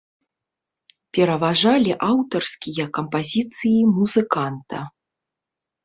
Пераважалі аўтарскія кампазіцыі музыканта.